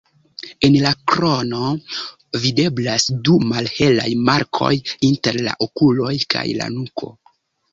En la krono videblas du malhelaj markoj inter la okuloj kaj la nuko.